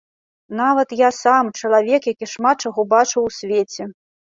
Нават я сам, чалавек, які шмат чаго бачыў у свеце.